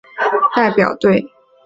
驻台北韩国代表部。